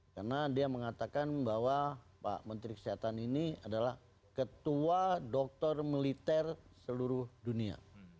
karena dia mengatakan bahwa pak menteri kesehatan ini adalah ketua dokter militer seluruh dunia